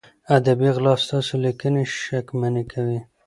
ادبي غلا ستاسو لیکنې شکمنې کوي.